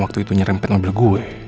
waktu itu nyerempet mobil gue